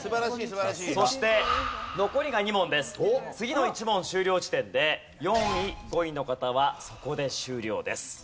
次の１問終了時点で４位５位の方はそこで終了です。